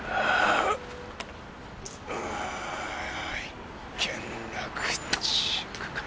一件落着か。